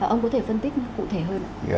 ông có thể phân tích cụ thể hơn